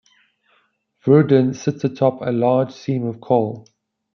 Virden sits atop a large seam of coal.